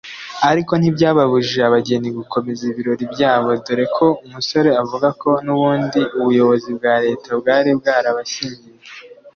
Ariko ntibyababujije abageni gukomeza ibirori byabo dore ko umusore avuga ko n’ubundi ubuyobozi bwa Leta bwari bwarabashyingiye